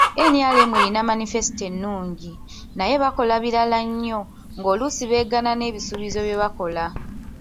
NRM erina Manifesito ennungi, naye bakola birala nnyo, ng'oluusi beegaana n'ebisuubizo bye bakola.